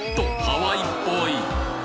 ハワイっぽい